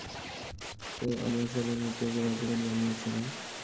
তো, আমার ছেলের মৃত্যু ওকে ভাগ্যবান বানিয়েছে, না?